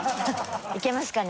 いけますかね？